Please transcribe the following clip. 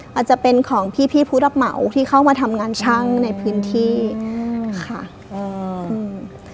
อาจจะเป็นของพี่พี่ผู้รับเหมาที่เข้ามาทำงานช่างในพื้นที่อืมค่ะอืม